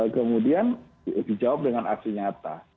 kemudian dijawab dengan aksi nyata